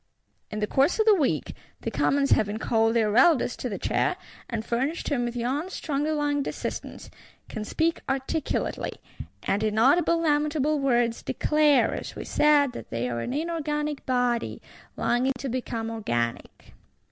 In the course of the week, the Commons having called their Eldest to the chair, and furnished him with young stronger lunged assistants,—can speak articulately; and, in audible lamentable words, declare, as we said, that they are an inorganic body, longing to become organic.